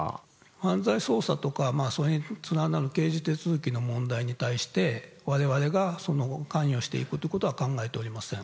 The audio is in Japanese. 犯罪捜査とかそれに連なる刑事手続きの問題に対して、われわれが関与していくということは考えておりません。